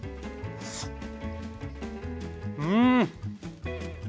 うん！